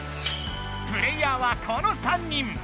プレーヤーはこの３人！